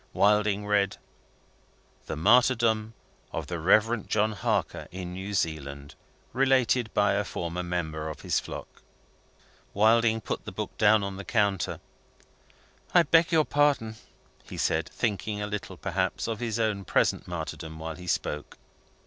Wilding read: "The martyrdom of the Reverend John Harker in New Zealand. Related by a former member of his flock." Wilding put the book down on the counter. "I beg your pardon," he said thinking a little, perhaps, of his own present martyrdom while he spoke.